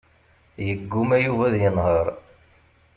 Yegguma Yuba ad yenheṛ.